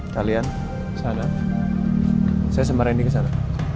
kalian kesana saya semarain di kesana